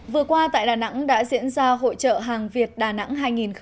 vừa qua tại đà nẵng đã diễn ra hội trợ hàng việt đà nẵng hai nghìn một mươi sáu